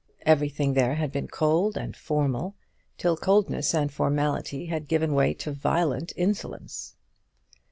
Everything there had been cold and formal, till coldness and formality had given way to violent insolence.